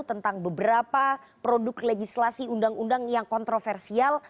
tentang beberapa produk legislasi undang undang yang kontroversial